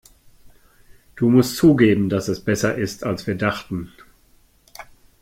Du musst zugeben, dass es besser ist, als wir dachten.